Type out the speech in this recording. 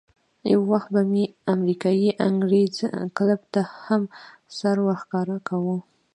یو وخت به مې امریکایي انګرېز کلب ته هم سر ورښکاره کاوه.